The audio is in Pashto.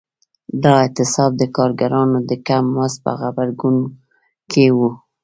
دا اعتصاب د کارګرانو د کم مزد په غبرګون کې و.